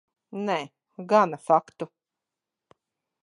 Nē, gana faktu.